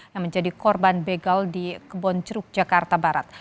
yang menjadi korban begal di kebonceruk jakarta barat